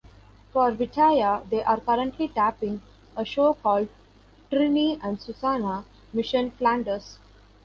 For Vitaya they are currently taping a show called "Trinny and Susannah: Mission Flanders".